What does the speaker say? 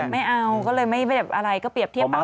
ไม่เอาก็เลยไม่เอาอะไรก็เปรียบเทียบปั๊บไปแค่๕๐๐